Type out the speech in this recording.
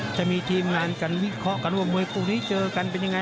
จะมีทีมงานกันวิเคราะห์กันว่ามวยคู่นี้เจอกันเป็นยังไง